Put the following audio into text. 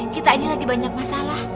kita ini lagi banyak masalah